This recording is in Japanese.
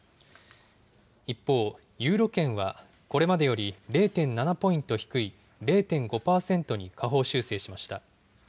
一方、ユーロ圏は、これまでより０．７ポイント低い０．５％に下方修正しました。